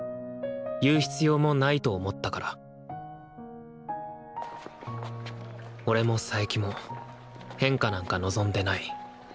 言う必要もないと思ったから俺も佐伯も変化なんか望んでない。